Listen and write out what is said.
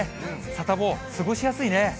サタボー、過ごしやすいですね。